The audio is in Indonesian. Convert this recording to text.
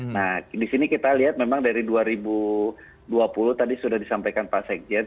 nah di sini kita lihat memang dari dua ribu dua puluh tadi sudah disampaikan pak sekjen